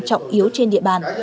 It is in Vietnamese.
trọng yếu trên địa bàn